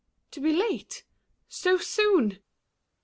To be late—so soon!